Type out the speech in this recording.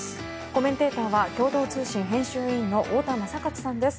コメンテーターは共同通信編集員の太田昌克さんです。